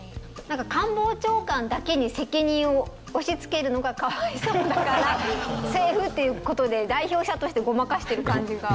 官房長官だけに責任を押しつけるのがかわいそうだから政府っていう事で代表者としてごまかしてる感じが。